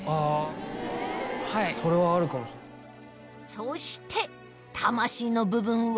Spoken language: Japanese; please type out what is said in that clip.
そして魂の部分は？